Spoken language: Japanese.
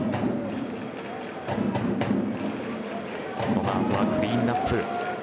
このあとはクリーンアップ。